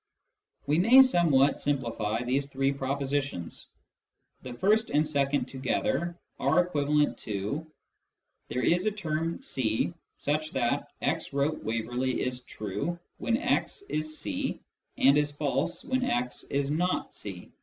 We may somewhat simplify these three propositions. The first and second together are equivalent to :" There is a term c such that ' x wrote Waverley ' is true when x is c and is false when x is not c."